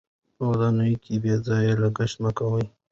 په ودونو کې بې ځایه لګښت مه کوئ.